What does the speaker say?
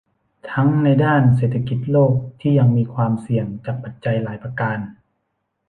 ทั้งในด้านเศรษฐกิจโลกที่ยังมีความเสี่ยงจากปัจจัยหลายประการ